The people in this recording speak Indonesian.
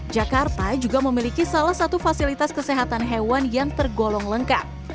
jakarta juga memiliki salah satu fasilitas kesehatan hewan yang tergolong lengkap